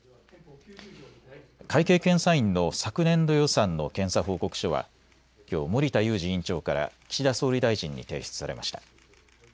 会計検査院の昨年度予算の検査報告書はきょう、森田祐司院長から岸田総理大臣に提出されました。